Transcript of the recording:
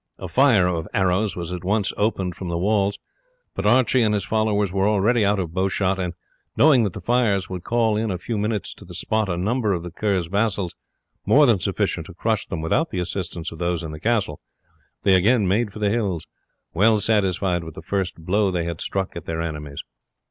A fire of arrows was at once opened from the walls, but Archie and his followers were already out of bowshot; and knowing that the fires would call in a few minutes to the spot a number of the Kerr's vassals more than sufficient to crush them without the assistance of those in the castle, they again made for the hills, well satisfied with the first blow they had struck at their enemies.